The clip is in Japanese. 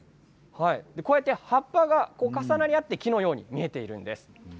葉っぱが重なり合って木のように見えているんです。